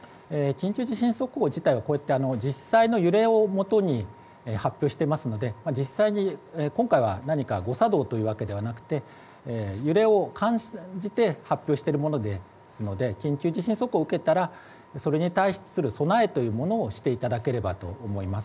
緊急地震速報自体は実際の揺れをもとに発表していますので実際に今回は何か誤作動というわけではなくて揺れを感じて発表しているものですので緊急地震速報を受けたらそれに対する備えというものをしていただければと思います。